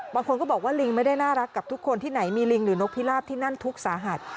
บางคนก็บอกว่าลิงไม่ได้น่ารักกับทุกคนที่ไหนมีลิงหรือนกพิราบที่นั่นทุกข์สาหัส